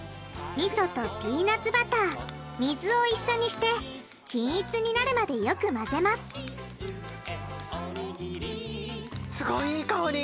みそとピーナツバター水を一緒にして均一になるまでよく混ぜますいい香り？